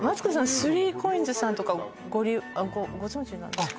３ＣＯＩＮＳさんとかご利用ご存じなんですか？